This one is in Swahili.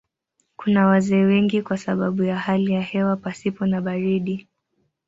Kuna wazee wengi kwa sababu ya hali ya hewa pasipo na baridi.